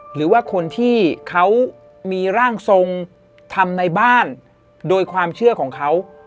หรือว่าคนที่เขามีร่างทรงทำในบ้านโดยความเชื่อของเขา